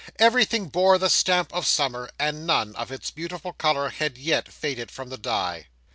Everything bore the stamp of summer, and none of its beautiful colour had yet faded from the die.